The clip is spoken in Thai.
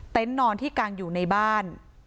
เต็นต์นอนที่กลางอยู่ในบ้าน